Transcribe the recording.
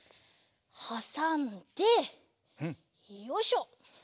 はさんでよいしょ！